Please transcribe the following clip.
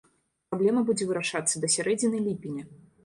Праблема будзе вырашацца да сярэдзіны ліпеня.